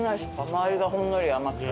周りがほんのり甘くて。